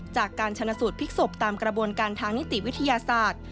จากการชนะสูตรพลิกศพตามกระบวนการทางนิติวิทยาศาสตร์